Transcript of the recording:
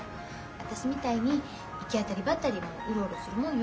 私みたいに行き当たりばったりうろうろするもんよ。